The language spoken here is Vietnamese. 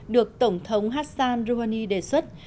được tổng thống hassan rouhani đề xuất